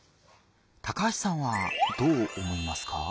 高橋さんはどう思いますか？